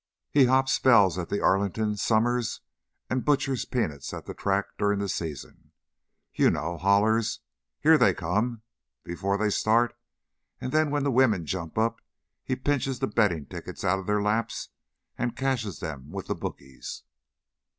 He hops bells at the Arlington summers and butchers peanuts at the track during the season you know, hollers 'Here they come!' before they start, then when the women jump up he pinches the betting tickets out of their laps and cashes them with the bookies."